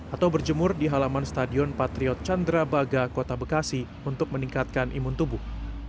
atau berjemur di halaman stadion patriot candrabaga kota bekasi untuk meningkatkan imun tubuh